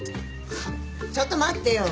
ちょっと待ってよ。